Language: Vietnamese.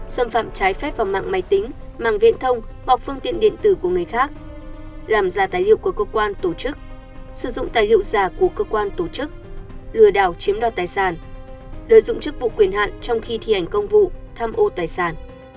xâm phạm trái phép vào mạng máy tính mạng viễn thông hoặc phương tiện điện tử của người khác làm giả tài liệu của cơ quan tổ chức sử dụng tài liệu giả của cơ quan tổ chức lừa đảo chiếm đoạt tài sản lợi dụng chức vụ quyền hạn trong khi thi hành công vụ tham ô tài sản